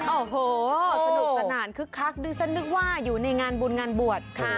โอ้โหสนุกสนานคึกคักดิฉันนึกว่าอยู่ในงานบุญงานบวชค่ะ